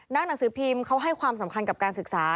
หนังสือพิมพ์เขาให้ความสำคัญกับการศึกษา